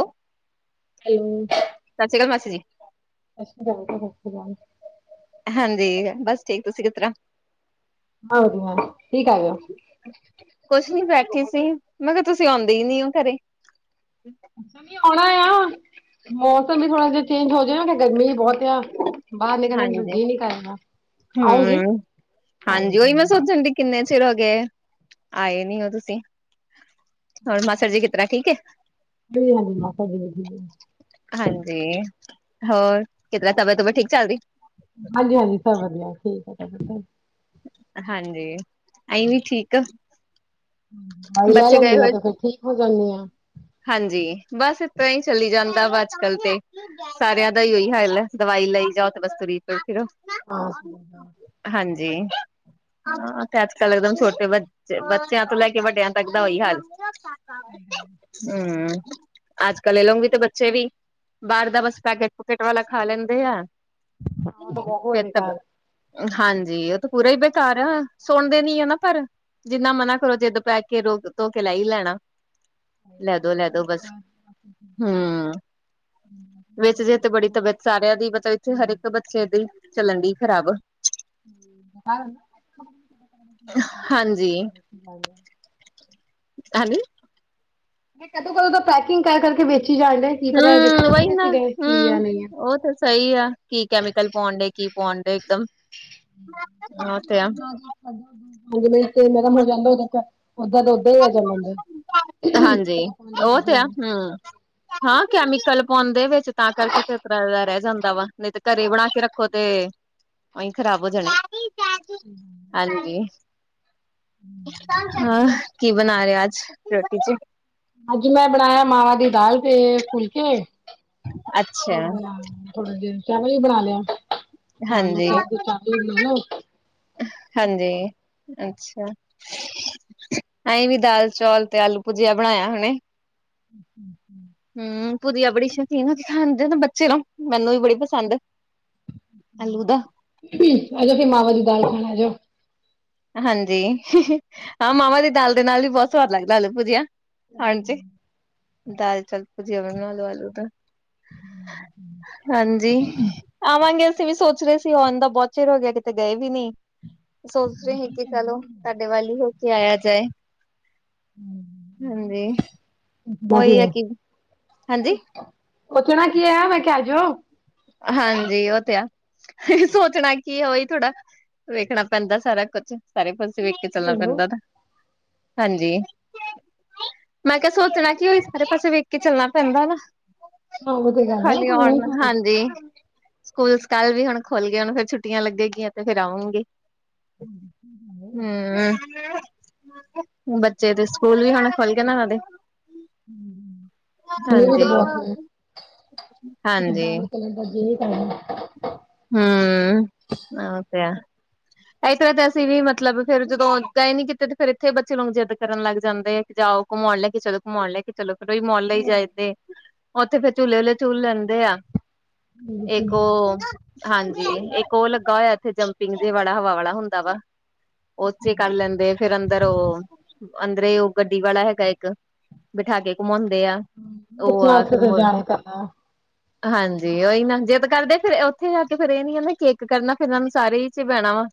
ਓ hello ਸਤਿ ਸ਼੍ਰੀ ਅਕਾਲ, ਮਾਸੀ ਜੀ। [inaudible] ਜਦਾ ਰੇ ਜਾ ਹਾਂਜੀ, ਬਸ ਠੀਕ ਤੁਸੀਂ ਕਿਸ ਤਰ੍ਹਾਂ? ਹਜੀਆਂ [inaudible] ਕੁਛ ਨੀ ਬੈਠੀ ਸੀ, ਮੈਂ ਕਿਹਾ ਤੁਸੀਂ ਆਉਂਦੇ ਨੀ ਹੋ ਘਰੇ? ਦੀਦੀ ਆਉਣਾ ਆ? ਮੌਸਮ ਵੀ ਥੋੜਾ ਜਿਹਾ ਚੇਂਜ ਹੋ ਜਾਏ ਗਰਮੀ ਬਹੁਤ ਆ, ਬਾਹਰ ਨਿਕਲਣਾ ਨੂੰ ਹਾਂਜੀ ਜੀਅ ਨਈ ਕਰਦਾ ਆਉਂਗੀ? ਹੂੰ ਹਾਂਜੀ, ਉ ਓਹੀ ਮੈਂ ਸੋਚਣ ਡਈ, ਕਿੰਨੇ ਚਿਰ ਹੋ ਗਿਆ, ਆਏ ਨੀ ਤੁਸੀਂ? ਹੋਰ ਮਾਸੜ ਜੀ ਕਿਸ ਤਰ੍ਹਾਂ ਠੀਕ ਹੈ? ਨਹੀਂ ਹਜੀ ਮ ਵ [inaudible] ਹਾਂਜੀ ਹੋਰ ਕਿ, ਤਬੀਅਤ ਵਗੈਰਾ ਠੀਕ ਚੱਲਦੀ? ਹਾਂਜੀ-ਹਾਂਜੀ ਸਭ ਵਧੀਆ ਠੀਕ ਐ, ਭੈਣਜੀ ਹੁਣ। ਹਾਂਜੀ, ਅਸੀ ਵੀ ਠੀਕ ਆ। ਲੈ ਬੱਚੇ ਗਏ ਲੈਂਦੀ ਆ ਹੋਏ ਤੇ ਸੀ ਫਿਰ ਠੀਕ ਹੋ ਜਾਂਦੀ ਆ ਹਾਂਜੀ, ਬਸ ਇਸ ਤਰ ਹੀ ਚੱਲੀ ਜਾਂਣ ਵਾ ਅੱਜ-ਕੱਲ ਤੇ ਸਾਰਿਆਂ ਦਾ ਹੀ ਉਹੀ ਹਾਲ ਹੈ, ਦਵਾਈ ਲਈ ਜਾਓ ਤੇ ਬਸ ਤੁਰੀ ਫਿਰੋ ਆ ਕੇ ਦਿੰਦਾ ਹ। ਜੀ ਹਾਂ ਤੇ ਅੱਜ-ਕੱਲ ਇੱਕਦਮ ਛੋਟੇ ਬੱਚੇ ਬੱਚਿਆਂ ਤੋਂ ਲੈ ਕੇ ਵੱਡਿਆਂ ਤੱਕ ਦਾ ਉਈ ਹਾਲ ਹੂੰ। ਅੱਜ-ਕਲ ਇਹ ਲੋਕ ਵੀ ਤੇ ਬੱਚੇ ਵੀ ਬਾਹਰ ਦਾ ਬਸ ਪੈਕੇਟ -ਪਕੇਟ ਵਾਲਾ ਖਾ ਲੈਂਦੇ ਆ। ਵਹਾ ਤੋ ਬਹੁਤ ਫਿਰ ਤਾਂ ਵਿਵਾਲ ਹਾਂਜੀ। ਉਹ ਤਾਂ ਪੂਰਾ ਹੀ ਬੇਕਾਰ ਆ ਸੁਣਦੇ ਨੀ ਆ ਨਾ ਪਰ ਜਿੰਨਾ ਮਨਾ ਕਰੋ ਜਿੱਦ ਪੈ ਕੇ ਰੋ ਧੋ ਕੇ ਲੈ ਹੀ ਲੈਣਾ। ਲੈ ਦੋ ਲੈ ਦੋ ਬਸ ਕ? [unintelligible] ਹਮ ਵਿੱਚ ਜੇਥੇ ਬੜੀ ਤਬੀਅਤ ਸਾਰਿਆਂ ਦੀ ਮਤਲਬ ਇੱਥੇ ਹਰ ਇੱਕ ਬੱਚੇ ਦੀ ਚੱਲਣ ਦੀ ਖ਼ਰਾਬ ਹਾਂਜੀ [unintelligible] ਕੁਝ ਖਾ ਲੈ। ਮੈਂ ਕਦੋਂ -ਕਦੋਂ ਦਾ ਪੈਕਿੰਗ ਕਰ ਕਰਕੇ ਵੇਚ ਹਮ। ਵਹੀ ਨਾ, ਕੀ ਆ ਹਮ। ਨਹੀਂ ਆ। ਉਹ ਤੇ ਸਹੀ ਆ ਕੀ ਕੈਮੀਕਲ ਪਾਉਣ ਡੇ ਕੀ ਪਡੇ ਦਮ। ਸਾ [unintelligible] ਪੰਜ ਵਜੇ ਤੇ ਨਰਮ ਹੋ ਜਾਂਦਾ ਉ ਤੱਕ ਓਦਾਂ ਦਾ ਉਓਦਾਂ ਹੀ ਆ ਜਾਂਦੇ ਹਾਂਜੀ। ਕੀ ਪਾਉਂਦੇ ਉਹ ਤੇ ਆ ਹਮ। ਹਾਂ, ਕੈਮੀਕਲ ਪਾਂਦੇ ਵਿੱਚ ਤਾਂ ਕਰਕੇ ਤੇ ਤਰ੍ਹਾਂ ਦਾ ਰਹਿ ਜਾਂਦਾ ਵਾ ਨਹੀਂ ਤੇ ਘਰੇ ਬਣਾ ਕੇ ਰੱਖੋ ਤੇ ਉਹੀ ਖਰਾਬ ਹੋ ਜਾਣਾ। ਹਾਂਜੀ। ਹਾਂ। ਕੀ ਬਣਾ ਰਹੇ ਅੱਜ ਰੋਟੀ ਚੀ ਅੱਜ ਮੈਂ ਬਣਾਇਆ ਮਾਵਾਂ ਦੀ ਦਾਲ ਤੇ ਫੁਲਕੇ ਹੋ, ਅੱਛਾ ਥੋੜਾ ਦੇਰ, ਚਾਵਲ ਹੀ ਬਣਾ ਲਿਆ। ਹਾਂ ਲੋਕ ਹਾਂਜੀ, ਕਹਿ ਚਾਵਲ ਵੀ ਬਣਾ ਲੋ ਹਾਂਜੀ। ਅੱਛਾ। ਅਸੀਂ ਵੀ ਦਾਲ -ਚੌਲ ਤੇ ਆਲੂ -ਭੁਜੀਆ ਬਣਾਇਆ ਹਣੇੇ। ਅੱ ਹਮ। ਪੁਜਿਆ ਬੜੀ ਸ਼ੌਕੀਨ ਖਾਂਦੇ ਨਾ ਬੱਚੇ ਨੂੰ ਮੈਨੂੰ ਵੀ ਬੜੀ ਪਸੰਦ ਆਲੂ ਦਾ ਬੀਬੀ ਅੱਜ ਮਾਵਾਾਂ ਦੀ ਦਾਲ ਖਾਣਾ ਜੋ ਹਾਂਜੀ। ਹਾਂ, ਮਾਵਾ ਦੀ ਦਾਲ ਦੇ ਨਾਲ ਵੀ ਬਹੁਤ ਸਵਾਦ ਲੱਗਦਾ‌ ਆਲੂ ਭੁਜਿਆ। ਹਾਂਜੀ, ਦਾਲ -ਚੌਲ ਭੁਜੀਆ ਬ ਲੂ ਆਲੂ ਦਾ ਹਾਂਜੀ। ਆਵਾਂਗੇ ਅਸੀਂ ਵੀ ਸੋਚ ਰਹੇ ਸੀ ਆਉਣ ਦਾ ਬਹੁਤ ਚਿਰ ਹੋ ਗਿਆ। ਕਿਤੇ ਗਏ ਵੀ ਨਹੀਂ ਪੁਛ ਰਹੇ ਕਿ ਚਲੋ ਤੁਹਾਡੇ ਵ ਹੀ ਹੋ ਕੇ ਆਇਆ ਜਾਏ। ਹਾਂਜੀ। ਉਹੀ ਹੈ ਕੀ, ਹਾਂਜੀ ਪੁੱਛਣਾ ਕੀ ਹੈ ਮੈਂ ਕਿਹਾ ਆ ਜੋਓ। ਹਾਂਜੀ ਉਹ ਤੇ ਆ। ਸੋਚਣਾ ਕੀ ਹੀ ਥੋੜਾ ਵੇਖਣਾ ਪੈਂਦਾ ਸਾਰਾ ਕੁਛ ਸਾਰੇ ਪਾਸੇ ਵਖ ਕੇ ਚੱਲਣਾ ਹੈਲੋ ਪੈਂਦਾ, ਹਾਂਜੀ। ਮੈਂ ਕਿਹਾ ਸੋਚਣਾ ਕੀ ਉਹ ਸਾਰੇ ਪਾਸੇ ਵੇਖ ਕੇ ਚੱਲਣਾ ਪੈਂਦਾ ਨਾ। ਹਾਂ ਉਹ ਤੇ ਗੱਲ ਹੈ ਖਾਲੀ ਕੋਈ ਨੀ ਆਉਣ, ਘਰ ਆ ਜਾਓ। ਹਾਂਜੀ ਸਕੂਲ ਕੱਲ ਵੀ ਹੁਣ ਖੁਲੱਗੇ ਗਏ ਹੁਣ ਫਰ ਛੁੱਟੀਆਂ ਲੱਗੇਗੀਆਂ ਤੇ ਫਿਰ ਆਉਗੀ। ਹੂ ਬੱਚੇ ਦੇ ਸਕੂਲ ਵੀ ਹੁਣ ਖੁੱਲ ਗਏ ਨਾ ਉਹਨਾਂ ਦੇ ਡੀਠ ਹਾਂਜੀ ਬਹੁਤ ਨੇ, ਹਾਂਜੀ ਬਾਹਲੇ ਕਲੰਡ ਜਨੀ, ਕਾਰਨ ਹਮ ਉਹ ਤੇ ਹੈ ਇਸ ਤਰ੍ਹਾਂ ਤੇ ਅਸੀਂ ਵੀ ਮਤਲਬ ਫਿਰ ਜਦੋਂ ਇੱਦਾਂ ਹੀ ਨੀ ਕੀਤੇ ਤੇ ਫਿਰ ਇੱਥੇ ਬੱਚੇ ਨੂੰ ਜਿੱਦ ਕਰਨ ਲੱਗ ਜਾਂਦੇ ਆ ਕਿ ਜਾ ਘੁਮਾਉਣ ਲੈ ਕੇ ਚਲੋ ਘੁਮਣ ਲੈ ਕੇ ਚਲੋ ਫਿਰ ਉਹੀ ਮੋਲ ਲਈ ਜਾਂਦੇ ਉੱਥੇ, ਫੇਰ ਝੂਲੇ ਵੇਲੇ ਝੂਲ ਲੈਂਦੇ ਆ। ਬਿਲਕੁਲ ਇੱਕ ਉਹ, ਹਾਂਜੀ ਇੱਕ ਉਹ ਲੱਗਾ ਹੋਇਆ ਇੱਥੇ ਜੰਪਿੰਗ ਦੇ ਵਾਲੇ ਾ ਹਵਾ ਵਾਲਾ ਹੁੰਦਾ ਵਾ ਉਥੇ ਕਰ ਲੈਂਦੇ ਫਿਰ ਅੰਦਰ ਉਹ, ਅੰਦਰ ਉਹ ਅੰਦਰੇ ਗੱਡੀ ਵਾਲਾ ਹੈਗਾ ਇੱਕ ਬਿਠਾ ਕੇ ਘੁਮਾਉਂਦੇ ਆ ਉਹ, ਬੱਚਿਆਂ ਆ ਵਾਸਤੇ ਫਿਰ ਤਾਂ ਮੁੜ ਜਾਇਆ ਕਰਨਾ। ਹਾਂਜੀ ਜੀ ਉਹੀ ਨਾ ਜੇ ਤਾਂ ਕਰਦੇ ਫਿਰ ਉੱਥੇ ਜਾ ਕੇ ਫਿਰ ਇਹ ਨੀ ਕੇਕ ਕਰਨਾ ਫਿਰ ਇਹਨਾਂ ਨੂੰ ਸਾਰੇ ਹੀ ਚ ਬਹਿਣਾ ਵਾ।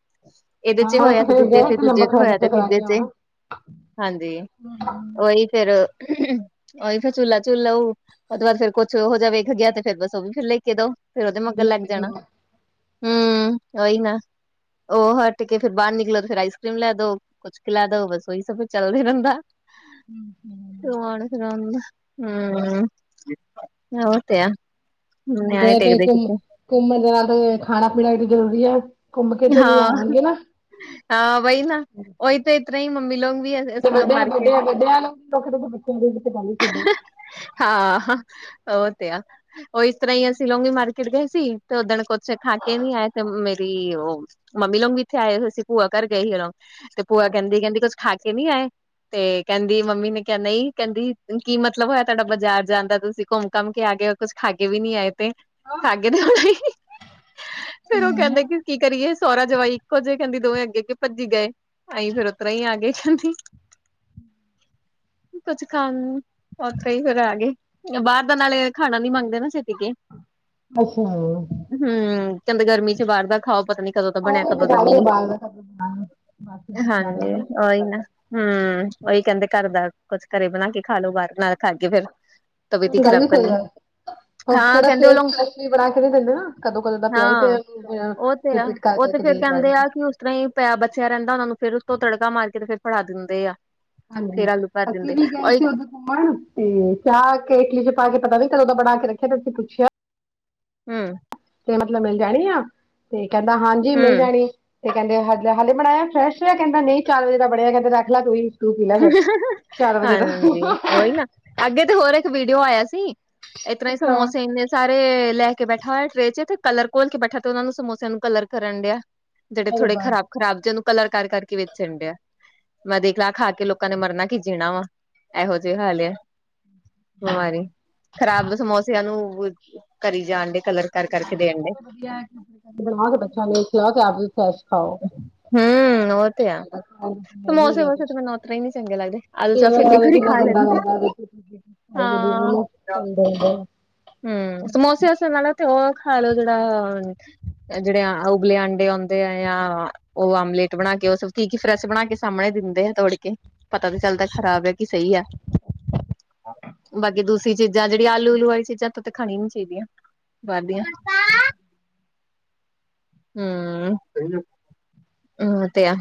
ਇਹਦੇ ਹਾਂ ਚ ਉਹ ਹੋਇਆ ਤਾਂ ਤੇ ਫੇਰ ਦੂਜੇ ਗਏ ਤੇ ਲੰਬਾ ਦੂਜੇ ਤੇ ਖਾ ਹੋਇਆ ਕਰਾ ਤੀਜੇ ਕੇ ਚ। ਆਉਣਾ। ਹਾਂਜੀ ਉਹੀ ਫਿਰ ਉਹੀ ਫਿਰ ਝੁੱਲਾ ਝੁੱਲ ਲਊ ਉਹ ਤੋਂ ਬਾਅਦ ਫਿਰ ਕੁਛ ਹੋ ਜਾ ਵੇਖ ਗਿਆ ਤੇ ਫੇਰ ਬਸ ਉਹ ਵੀ ਫਿਰ ਲੈ ਕੇ ਦੋ। ਫਿਰ ਉਹਦੇ ਵੀ ਮਗਰ ਲੈ ਲੱਗ ਕੇ ਦੋ ਜਾਣਾ, ਹੂ ਓਹੀ ਨਾ ਓਹ ਹਟ ਕੇ ਫਿਰ ਬਾਹਰ ਨਿਕਲੋ, ਫਿਰ ਆਈਸ ਕ੍ਰੀਮ ਲੈ ਦੋ, ਕੁਛ ਕੁ ਲੈ ਦੋ, ਬਸ, ਓਹੀ ਸਭ ਫਿਰ ਚੱਲਦਾ ਰਹਿੰਦਾ। [unintelligible] ਹੂ, ਉਹ ਤੇ ਹੈ। ਗਏ ਤੇ, ਘੁੰਮ-ਘੁੰਮਣ ਜਾਣਾ ਤੇ ਖਾਣਾ-ਪੀਣਾ ਵੀ ਤੇ ਜ਼ਰੂਰੀ ਐ। ਘੁੰਮ ਕੇ ਤੇ ਨੀ ਹਾਂ ਆਵਾਣਗੇ ਨਾ। [unintelligible] ਬੱਚਿਆਂ ਦੇ ਵਿੱਚ ਬਾਲੀ ਖੇਡੋ। ਹਾਂ। ਉਹ ਤੇ ਆ, ਉਹ ਇਸ ਤਰ੍ਹਾਂ ਹੀ ਅਸੀਂ ਲੋਂਗੀ ਮਾਰਕੀਟ ਗਈ ਸੀ। ਤੇ ਉਦਣ ਕੁਛ ਖਾ ਕੇ ਨਈ ਆਏ, ਤੇ ਮੇਰੀ ਉਹ ਮੰਮੀ ਲੋਗ ਵੀ ਇੱਥੇ ਆਏ ਹੋਏ ਸੀ, ਭੂਆ ਘਰ ਗਏ ਸੀ ਜਦੋ। ਤੇ ਭੂਆ ਕਹਿੰਦੀ-ਕਹਿੰਦੀ ਕੁਝ ਖਾ ਕੇ ਨਈ ਆਏ। ਤੇ ਕਹਿੰਦੀ ਮੰਮੀ ਨੇ ਕਿਹਾ ਨਈ ਕਹਿੰਦੀ ਕੀ ਮਤਲਬ ਹੋਇਆ, ਤਾਡਾ ਬਾਜ਼ਾਰ ਜਾਣ ਦਾ ਤੁਸੀਂ ਘੁੰਮ ਘਾਮ ਕੇ ਆ ਕੁੱਛ ਖਾਗੇ ਵੀ ਨੀ ਆਏ ਤੇ, ਖਾਕੇ ਤੇ ਫੇਰ ਉਹ ਕਹਿੰਦੇ ਕਿ ਕੀ ਸੋਹਰਾ ਜਵਾਈ ਇੱਕੋ ਜਏ ਕਹਿੰਦੀ ਦੋਵੇਂ, ਅੱਗੇ ਅੱਗੇ ਭੱਜੀ ਗਏ ਅਸੀਂ ਫੇਰ ਉਤਰਾ ਈ ਆ ਗਏ ਕਹਿੰਦੀ [unintelligible] ਕੁਛ ਖਾਣ ਉੱਥੇ ਈ ਫੇਰ ਆ ਗਏ, ਬਾਹਰ ਦਾ ਨਾਲੇ ਖਾਣਾ ਨੀ ਮੰਗਦੇ ਨਾ ਸ਼ੇਤੀਕੇ। ਆ [unintelligible] ਕਹਿੰਦੇ ਗਰਮੀ ਚ ਬਾਰ ਦਾ ਖਾਓ। ਪਤਾ ਨੀ ਕਦੋਂ ਦਾ ਉਹ ਬਣਿਆ ਵੀ ਕਦੋਂ ਦਾ ਬੇਕਾਰੀ ਨਈ, ਬਾਲ ਦਾ ਖਾਣਾ ਬਣਾਉਣਾ। ਹਾਂਜੀ ਔਈ ਨਾ ਹੂੰ। ਹੂੰ ਉਈ ਕਹਿੰਦੇ ਘਰ ਦਾ ਕੁਛ ਘਰੇ ਬਣਾ ਕੇ ਖਾਲੋੋ ਬਾਹਰ ਨਾਲ। ਖਾਗੇ ਫੇਰ ਤਬੀਅਤ ਈ ਗੱਲ ਖਰਾਬ ਵੀ ਸਹੀ ਕਰਨੀ। ਹੈ। ਹਾਂ ਕਹਿੰਦੇ ਉਹ ਲੋਕ ਹਾਂ [unintelligible] ਉਹ ਤੇ ਆ। ਕਰ ਉਹ ਤੇ ਕਰਕੇ ਫੇਰ ਦੇ ਕਹਿੰਦੇ ਆ ਜਾਣਗੇ। ਕਿ ਉਸ ਤਰ੍ਹਾਂ ਹੀ ਪਿਆ ਬਚਿਆ ਰਹਿੰਦਾ ਉਹਨਾ ਨੂੰ ਫਿਰ। ਤੋਂ ਤੜਕਾ ਮਾਰ ਕੇ ਤੇ ਫੇਰ ਫੜਾ ਦਿੰਦੇ ਆ। ਫੇਰ ਹਾਂਜੀ। ਆਲੂ ਭਰ ਅਸੀਂ ਦਿੰਦੇ ਵੀ ਗਏ ਔਰ ਸੀ ਉਧੋਂ ਘੁੰਮਣ ਤੇ ਚਾਹ ਕੇਟਲੀ ਚ ਪਾ ਕੇ ਪਤਾ ਨੀ ਫੇਰ ਉਹਦਾ ਬੜਾ ਹੱਕ ਰੱਖਿਆ ਫੇਰ ਪੁੱਛਿਆ। ਹਮ। ਤੇ ਮਤਲਬ ਮਿਲ ਜਾਣੀ ਆ। ਤੇ ਕਹਿੰਦਾ ਹਾਂਜੀ ਮਿਲ ਹੂੰ ਜਾਣੀ। ਤੇ ਕਹਿੰਦੇ ਹਲ ਹਲੇ ਬਣਾਇਆ ਫਰੈਸ਼ ਕਹਿੰਦਾ ਨਈ ਚਾਰ ਵਜੇ ਦਾ ਬਣਿਆ ਹੈਗਾ ਤੇ ਰੱਖ ਲੈ ਤੁਈ। ਹਾਂਜੀ। ਉਈ ਨਾ ਅੱਗੇ ਤੇ ਹੋਰ ਇੱਕ ਵੀਡੀਓ ਆਇਆ ਸੀ ਏਤਰਾਂ ਈ ਹਾਏ ਸਮੋਸੇ ਇੰਨੇ ਸਾਰੇ ਲੈ ਕ ਬੈਠਾ ਹੋਇਆ ਟ੍ਰੇਨ ਚ ਤੇ ਕਲਰ ਘੋਲ ਕੇ ਬੈਠਾ ਤੇ ਉਹਨਾ ਨੂੰ ਸਮੋਸਿਆਂ ਨੂੰ ਕਲਰ ਕਰਨ ਡਿਆ। ਜੇੜੇ ਥੋੜੇ ਰੱਬਾ ਖ਼ਰਾਬ ਖਰਾਬ ਜੇ ਉਨੂੰ ਕਲਰ ਕਰ ਕਰਕੇ ਵੇਚਣ ਡੇਆ। ਮੈਂ ਦੇਖ ਲਾ ਖਾ ਕੇ ਲੋਕਾਂ ਨੇ ਮਰਨਾ ਕੀ ਜੀਣਾ ਵਾ ਏਹੋ ਜਏ ਹਾਲ ਐ। ਬਿਮਾਰੀ ਖ਼ਰਾਬ ਸਮੋਸਿਆਂ ਨੂੰ ਕਰੀ ਜਾਣ ਡੇ ਕਲਰ ਕਰ ਕਰਕੇ ਦੇਣ ਡੇ [unintelligible] ਹਮ। ਉਹ ਤੇ ਆ। ਨਹੀਂ ਸਮੋਸੇ ਗਿਆ ਮਾਸੇ ਤੇ ਕੁਛ ਮੈਨੂੰ ਉਤਰਾ ਈ ਨੀ ਚੰਗੇ ਲੱਗਦੇ। ਆਲ [unintelligible] ਹਮ। ਸਮੋਸਿਆ ਅਸ ਨਾਲੋ ਤੇ ਉ ਖਾ ਲਓ ਜੇੜਾ ਜੇੜੇ ਉਬਲੇ ਆਂਡੇ ਆਉਂਦੇ ਐ ਯਾ ਉਹ ਆਮਲੇਟ ਬਣਾ ਕੇ ਉਹ ਸ ਕੀ ਕੀ ਫਰੈਸ਼ ਬਣਾ ਕੇ ਸਾਹਮਣੇ ਦਿੰਦੇ ਐ ਤੋੜ ਕੇ ਪਤਾ ਤੇ ਚੱਲਦੈ ਖ਼ਰਾਬ ਐ ਕਿ ਸਹੀ ਐ। ਬਾਕੀ ਦੂਸਰੀ ਚੀਜ਼ਾਂ ਜੇੜੀ ਆਲੂ ਉੱਲੂ ਵਾਲੀ ਚੀਜ਼ਾਂ ਤੂਤੇ ਤੇ ਖਾਣੀ ਨੀ ਚਾਈਦਿਆਂ ਬਾਹਰ ਦੀਆਂ। ਹਮ। ਹਮ ਤੇ ਆ।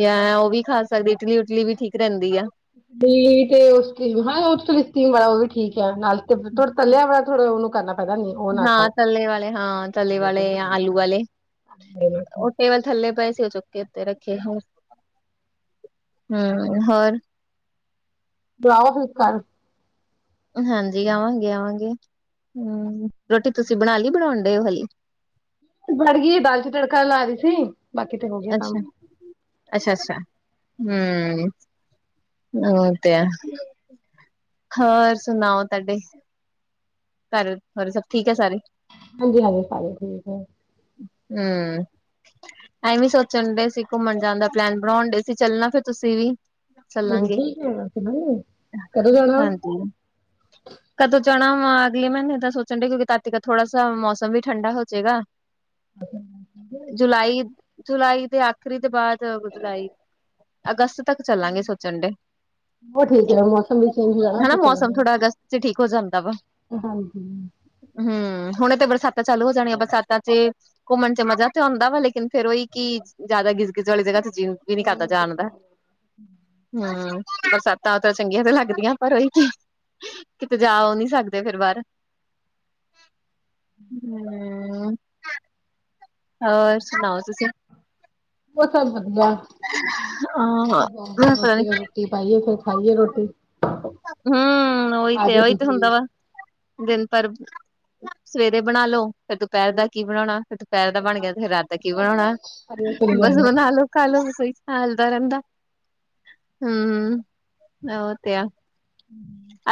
ਯਾ ਉਹ ਵੀ ਖਾ ਸਕਦੇ ਇਟਲੀ ਉਟਲੀ ਵੀ ਠੀਕ ਰਹਿੰਦੀ ਆ। [unintelligible] ਥੋੜਾ ਉਹਨੂੰ ਕਰਨਾ ਪੈਂਦਾ ਨਹੀਂ ਉਹ ਨਾ ਹਾਂ ਖਾਓ ਤੱਲੇ ਵਾਲੇ, ਹਾਂ ਤੱਲੇ ਵਾਲੇ ਜਾਂ ਆਲੂ ਵਾਲੇ। ਉਹ ਟੇਬਲ ਥੱਲੇ ਪਏਸ ਚੁੱਕੇ ਉੱਤੇ ਰੱਖੇ ਹੋਰ। ਹੂ ਹੋਰ ਜਾਓ ਫਿਰ ਕੱਲ ਹਾਂਜੀ, ਆਵਾਂਗੇ-ਆਵਾਂਗੇ। ਹੂ ਰੋਟੀ ਤੁਸੀਂ ਬਣਾ ਲਈ ਬਣਾਉਣ ਡੇ ਹੋ ਹਾਲੀ ਬੜ ਗਈ ਦਾਲ ਚ ਤੜਕਾ ਲਾ ਰੀ ਸੀ। ਬਾਕੀ ਤੇ ਹੋ ਗਿਆ ਕੰਮ ਅੱਛਾ-ਅੱਛਾ। ਹੂ ਉਹ ਤੇ ਐ ਹੋਰ ਸੁਣਾਓ ਤੁਹਾਡੇ। ਘਰ ਹੋਰ ਸਭ ਠੀਕ ਹੈ ਸਾਰੇ ਹਾਂਜੀ-ਹਾਂਜੀ ਸਾਰੇ ਠੀਕ ਹੈ ਹੂ ਐਵੇਂ ਸੋਚਣ ਡਏ ਸੀ। ਘੁੰਮਣ ਜਾਣ ਦਾ ਪਲੈਨ ਬਣਾਉਣ ਡਏ ਸੀ। ਚੱਲਣਾ ਫਿਰ ਤੁਸੀਂ ਵੀ ਹਾਂਜੀ ਚੱਲਾਂਗੇ ਠੀਕ ਹੈ ਨਾ। [unintelligible] ਕਦੋ ਜਾ ਹਾਂਜੀ। ਕਦੋਂ ਜਾਣਾ ਹਾਂ ਅਗਲੇ ਮਹੀਨੇ ਤਾਂ ਸੋਚਣ ਡਏ ਕਿਉਂਕੀ ਤਾਤਿਕ ਥੋੜਾ ਸਾ ਮੌਸਮ ਵੀ ਠੰਡਾ ਹੋ ਜਾੇਗਾ ਜੁਲਾਈ ਜੁਲਾਈ ਦੇ ਆਖਰੀ ਦੇ ਬਾਅਦ। ਜੁਲਾਈ, ਅਗਸਤ ਤੱਕ ਚੱਲਾਂਗੇ ਸੋਚਣ ਡ ਉਹ ਠੀਕ ਹੈ ਮੌਸਮ ਵੀ ਚੇਂਜ ਹੋ ਜਾਣਾ ਹਨਾ ਫਿਰ ਮੌਸਮ ਚੱਲਾਂਗੇ ਥੋੜਾ ਅਗਸਤ ਚ ਠੀਕ ਹੋ ਜਾਂਦਾ ਵਾ ਹਾਂਜੀ ਹੂ ਹੁਣ ਤੇ ਬਰਸਾਤੀ ਤਾਂ ਚੱਲ ਹੋ ਜਾਣੇ ਆ ਬਸਾਤਾਂ ਚ। ਘੁੰਮਣ ਚ ਮਜ਼ਾ ਤੇ ਆਂਦਾ ਵਾ, ਲੇਕਿਨ ਫਿਰ ਓਹੀ ਕਿ ਜਿਆਦਾ ਗਿਜ ਗਿਜ ਵਾਲੀ ਜਗਾ ਜੀ ਵੀ ਨੀ ਕਰਦਾ ਜਾਣਦਾ। ਉਹ ਹੂ ਬਰਸਾਤਾਂ ਤਾਂ ਚੰਗੀਆਂ ਤੇ ਲੱਗਦੀਆਂ ਪਰ ਉਹੀ। ਕਿਤੇ ਜਾ ਉਹ ਨਹੀਂ ਸਕਦੇ ਫਿਰ ਬਾਹਰ ਹੂ। ਹੋਰ ਸੁਣਾਓ ਤੁਸੀਂ ਬ ਹਾਂ ਪਤਾ ਨੀ ਰੋਟੀ ਤੇ ਰੋਟੀ ਪਾਈਏ, ਫਿਰ ਖਾਈਏ ਰੋਟੀ ਹਮ। ਓਹੀ ਆ ਤੇ ਹੈ, ਜਾਓ ਉਹੀ ਤੇ ਤੁਸੀਂ ਹੁੰਦਾ ਵਾ। ਦਿਨ ਭਰ ਸਵੇਰੇ ਬਣਾ ਲੋ। ਫਿਰ ਦੁਪਹਿਰ ਦਾ ਕੀ ਬਣਾਉਣਾ ਦੁਪਹਿਰ ਦਾ ਬਣ ਗਿਆ ਤੇ ਫਿਰ ਰਾਤ ਦਾ ਕੀ ਬਣਾਉਣਾ। ਚਲੇ ਬਸ ਜਾਣਾ ਬਣਾ ਲੋ, ਖਾਲ ਲੋ ਸੋਈ ਹਿਲਦਾ ਰਹਿੰਦਾ। ਹਮ ੳ ਤੇ ਆ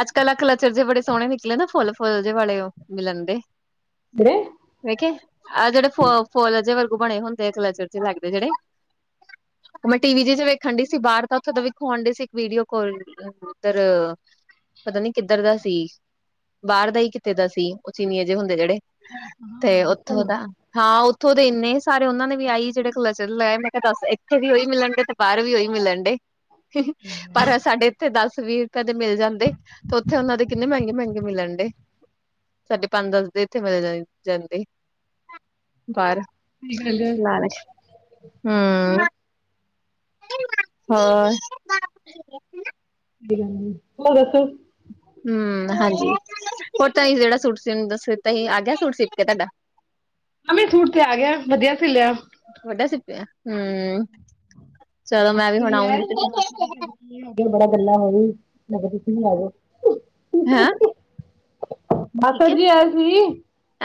ਅੱਜ ਕੱਲ੍ਹ ਆ ਕਲਚਰ ਜੇ ਬੜੇ ਸੋਹਣੇ ਨਿਕਲੇ ਨਾ। ਫੁੱਲ-ਫੁੱਲ ਜਿ ਵਾਲੇ ੳ। ਮਿਲਣ ਦੇ ਕਿਹੜੇ ਵੇਖੇ। ਆਹ ਜਿਹੜੇ ਫੁੱਲ-ਫੁੱਲ ਜੇ ਵਰ ਬਣੇ ਹੁੰਦੇ ਕਲਚਰ ਚ ਲੱਗਦੇ ਜਿਹੜੇ ਮੈਂ ਟੀ ਵੀ ਚ ਜੇ ਵੇਖਣ ਡਇ ਸੀ ਬਾਹਰ ਤਾਂ ਉੱਥੋਂ ਦਾ ਵਖਉਣ ਡਏ ਸੀ ਇੱਕ ਵੀਡੀਓ ਕੌਲ ਉਧਰ ਪਤਾ ਨੀ ਕਿੱਧਰ ਦਾ ਸੀ। ਬਾਹਰ ਦਾ ਹੀ ਕਿੱਥੇ ਦਾ ਸੀ। ਉਹ ਚੀਨੀਏ ਜਿਹੇ ਹੁੰਦੇ ਜਿਹੜੇ ਤੇ ਉੱਥੋਂ ਚਲੋ ਦਾ। ਹਾਂ ਇੱਥੋਂ ਦੇ ਇੰਨੇ ਸਾਰੇ ਉਹਨਾਂ ਨੇ ਵੀ ਆਈ ਜਿਹੜੇ ਕੱਲਚਰ ਲਾਏ। ਮੈਂ ਕਿਹਾ ਦੱਸ ਇੱਥੇ ਵੀ ਉਹੀ ਮਿਲਣ ਡੇ ਤੇ ਬਾਹਰ ਵੀ ਉਹੀ ਮਿਲਣ ਡੇ ਪਰ ਅ ਸਾਡੇ ਇੱਥੇ ਦਸ ਵੀਹ ਰੁਪਏ ਦੇ ਮਿਲ ਜਾਂਦੇ ਤੇ ਉੱਥੇ ਉਹਨਾਂ ਦੇ ਕਿੰਨੇ ਮਹਿੰਗੇ ਮਹਿੰਗੇ ਮਿਲਣ ਡੇ। ਸਾਢੇ ਪੰਜ ਦੱਸਦੇ ਇੱਥੇ ਮਿਲ ਜਾਂਦੇ ਪਰ ਸਹੀ ਗੱਲ ਹੈ ਸਹੀ ਹਮ ਹੋਰ ਲੈ ਦੱਸ ਹਮ ਹਾਂਜੀ। ਹੋਰ ਤਾਂ ਜਿਹੜਾ ਸੂਟ ਦਿੱਤਾ ਆ ਗਿਆ ਸੂਟ ਸੀਪ ਕੇ ਤੁਹਾਡਾ ਸੂਟ ਤੇ ਆ ਗਿਆ ਵਧੀਆ ਸਿਲਿਆ ਹਮ [unintelligible] ਬੜਾ ਗੱਲ ਹੋਈ। ਮੈਂ ਕਿਹਾ ਤੁਸੀ ਆ ਜਾਓ ਹੈਂ ਕੀ ਮਾਸੜ ਕਿਹਾ ਜੀ ਆਏ ਸੀ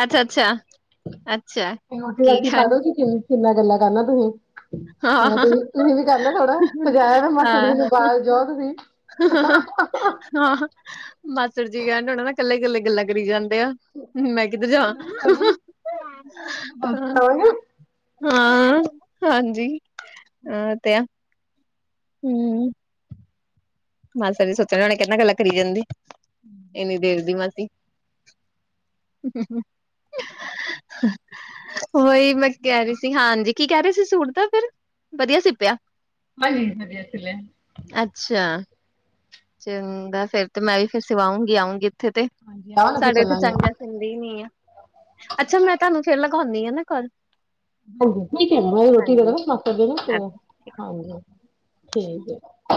ਅੱਛਾ-ਅੱਛਾ, ਅੱਛਾ ਅੱਛਾ ਰੋਟੀ ਕੀ ਰਾਟੀ ਪਾ ਕਹਿਣ ਦੋ ਤੁਸੀ। ਕਿੰਨਾ ਗੱਲਾਂ ਕਰਨਾ ਤੁਸੀਂ ਹੁਣ ਹਾਂ-ਹਾਂ ਤੁਸੀਂ ਤੁਸੀਂ ਵੀ ਕਰਹਦਾ ਥੋੜਾ ਪਜਾਇਆ ਬਾਰ ਜਾਓ ਤੁਸੀਂ ਹਾਂ ਮਾਸਟਰ ਜੀ ਕਹਿਣ ਹੋਣਾ ਨਾ ਇਕੱਲੇ ਕੱਲੇ ਗੱਲਾਂ ਕਰੀ ਜਾਂਦੇ ਮੈਂ ਕਿਧਰ ਜਾ ਹ ਹਾਂ ਹਾਂਜੀ ਅ ਤੇ ਆ ਹਮ ਮਾਸੜ ਨੇ ਸੋਚਣ ਹੁਣੇ ਕਿ ਕੀਨਾ ਗੱਲਾਂ ਕਰੀ ਜਾਂਦੀ ਇੰਨੀ ਦੇਰ ਦੀ ਮਾਸੀ [inaudible] ਉਹੀ ਮੈਂ ਕਹਿ ਰਹੀ ਸੀ ਹਾਂਜੀ ਕੀ ਕਹਿ ਰਹੀ ਸੀ ਸੂਟ ਦਾ ਫਿਰ ਵਧੀਆ ਸੀਪਿਆ ਹਜੀ-ਹਜੀ ਵਦਿਅ ਸਿਲਿਆ ਅੱਛਾ ਚੰਗਾ ਫੇਰ ਤੇ ਮੈਂ ਵੀ ਫਿਰ ਸਿਵਾਉਂਗੀ ਆਊਂਗੀ ਥੇ ਤੇ ਹਾਂਜੀ ਆਓ ਨਾ ਫਿਰ ਸਾਡੇ ਉੱਥੇ ਚੱਲਾਂਗੇ ਚੰਗਾ ਹੈ ਸਿੰਦੀ ਨੀ ਆ ਅੱਛਾ ਮੈਂ ਤੁਹਾਨੂੰ ਫੇਰ ਲਗਾਉਂਦੀ ਹਾਂ [inaudible] ਹਾਂਜੀ ਠੀਕ ਹੈ ਰੋਟੀ ਵਗੈਰਾ ਕਰਦੇ ਠੀਕ ਜ